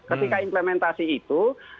ketika implementasi itu